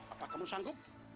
apa kamu sanggup